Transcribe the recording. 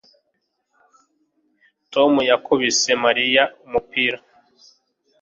Tom yakubise Mariya umupira